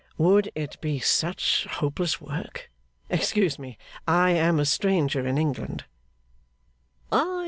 'Would it be such hopeless work? Excuse me; I am a stranger in England.